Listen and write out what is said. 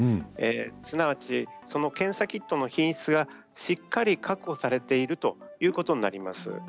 すなわち、その検査キットの品質がしっかり確保されているということになります。